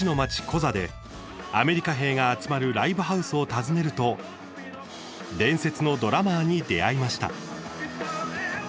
コザでアメリカ兵が集まるライブハウスを訪ねると伝説のドラマーに出会いました。